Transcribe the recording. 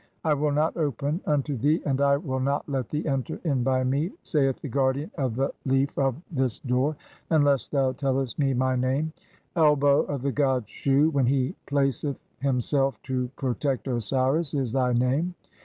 'I will not open unto thee [and I will "not let thee enter in by me,' saith the guardian of the leaf "of] this door, 'unless (3 1) thou tellest [me] my name' ; 'Elbow "of the god Shu when he placeth himself to protect Osiris' is "thy name.